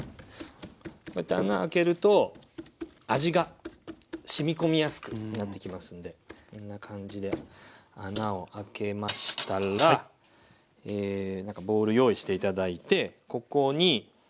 こうやって穴開けると味がしみ込みやすくなってきますんでこんな感じで穴を開けましたらなんかボウル用意して頂いてここにお塩ですね。